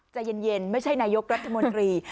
ใจเย็นไม่ใช่นายกรัฐมนตรี